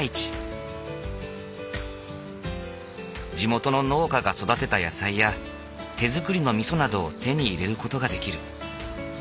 地元の農家が育てた野菜や手づくりのみそなどを手に入れる事ができる。